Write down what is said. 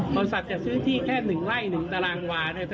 บริษัทจะซื้อที่แค่๑ไร่๑ตารางวา